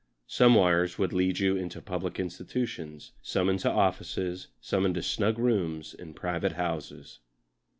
Some wires would lead you into public institutions, some into offices, some into snug rooms in private houses.